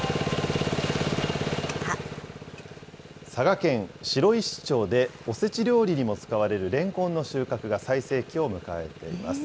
佐賀県白石町でおせち料理にも使われるレンコンの収穫が最盛期を迎えています。